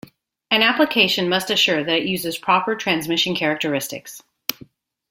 An application must assure that it uses proper transmission characteristics.